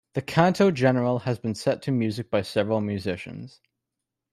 The "Canto General" has been set to music by several musicians.